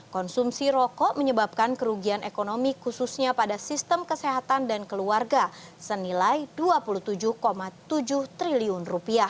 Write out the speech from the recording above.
konsumsi rokok menyebabkan kerugian ekonomi khususnya pada sistem kesehatan dan keluarga senilai rp dua puluh tujuh tujuh triliun